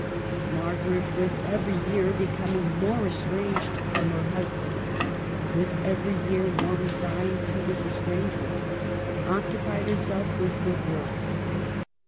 Margaret, with every year becoming more estranged from her husband, with every year more resigned to this estrangement, occupied herself with good works.